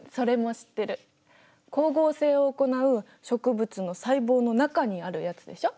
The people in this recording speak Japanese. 光合成を行う植物の細胞の中にあるやつでしょ。